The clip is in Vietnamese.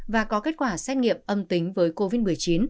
và có kết quả xét nghiệm âm tính với covid một mươi chín